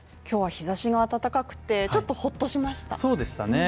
今日は日ざしが暖かくてちょっとほっとしました。